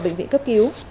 bệnh viện cấp cứu